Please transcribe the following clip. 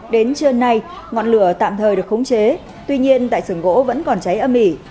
đến trưa nay ngọn lửa tạm thời được khống chế tuy nhiên tại sưởng gỗ vẫn còn cháy âm ỉ